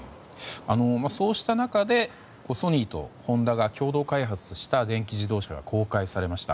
そうした中でソニーとホンダが共同開発した電気自動車が公開されました。